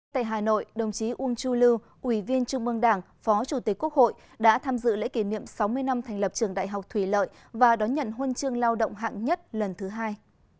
tại hà nội đồng chí uông chu lưu ủy viên trung mương đảng phó chủ tịch quốc hội đã tham dự lễ kỷ niệm sáu mươi năm thành lập trường đại học thủy lợi và đón nhận huân chương lao động hạng nhất lần thứ hai